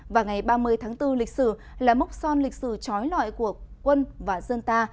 và ngày ba mươi tháng bốn lịch sử là mốc son lịch sử trói loại của quân và dân ta